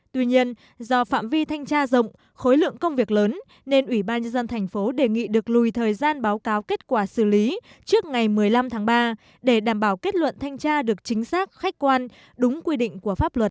tuy nhiên do phạm vi thanh tra rộng khối lượng công việc lớn nên ủy ban nhân dân tp đề nghị được lùi thời gian báo cáo kết quả xử lý trước ngày một mươi năm tháng ba để đảm bảo kết luận thanh tra được chính xác khách quan đúng quy định của pháp luật